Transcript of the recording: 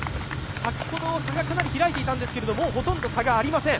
先ほどさがかなり開いていたんですけど、今はほとんど差はありません。